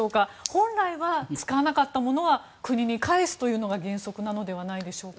本来は使わなかったものは国に返すというのが原則なのではないでしょうか。